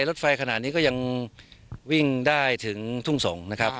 รถไฟขนาดนี้ก็ยังวิ่งได้ถึงทุ่งสงศ์นะครับ